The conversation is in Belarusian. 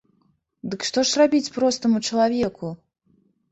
Дык што ж рабіць простаму чалавеку?